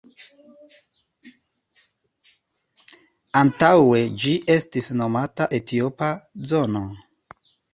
Antaŭe ĝi estis nomata Etiopa zono.